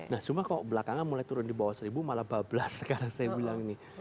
nah cuma kalau belakangan mulai turun di bawah seribu malah bablas sekarang saya bilang ini